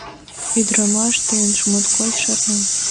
— Ӱдырамаш тыгайым моткочак шарна...